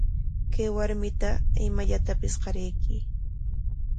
Kay warmita imallatapis qarayuy.